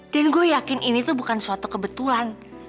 dan gue yakin ini tuh bukan suatu kebetulan